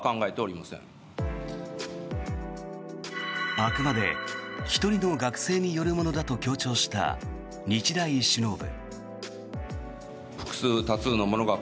あくまで１人の学生によるものだと強調した日大首脳部。